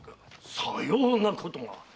さようなことが！